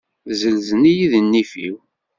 Zzelzen-iyi di nnif-iw.